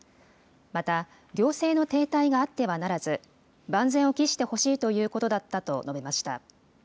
また行政の停滞があってはならず、万全を期してほしいということだったと述べました。